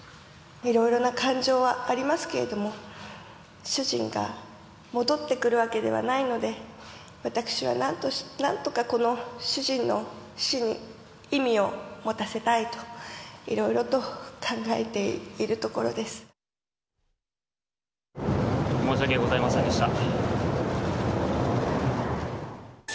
いろいろな感情はありますけれども、主人が戻ってくるわけではないので、私は何とかこの主人の死に意味を持たせたいと、いろいろと考えて申し訳ございませんでした。